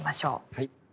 はい。